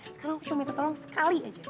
sekarang cuma minta tolong sekali aja